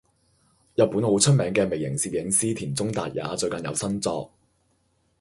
日本好出名嘅微型攝影師田中達也最近有新作